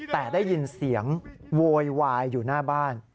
แต่ได้ยินเสียงโวยวายอยู่หน้าบ้าน